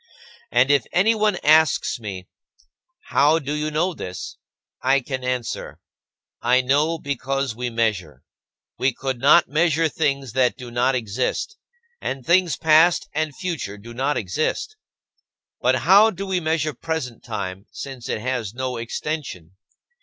And if anyone asks me, "How do you know this?", I can answer: "I know because we measure. We could not measure things that do not exist, and things past and future do not exist." But how do we measure present time since it has no extension?